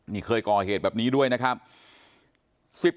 นี่เคยก่อเหตุแบบนี้ด้วยนะครับ